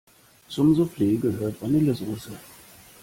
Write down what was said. Zum Souffle gehört Vanillesoße.